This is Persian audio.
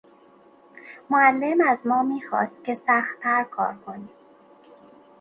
معلم از ما میخواست که سختتر کار کنیم.